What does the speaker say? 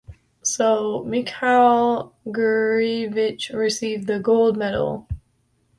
So Mikhail Gurevich received the gold medal.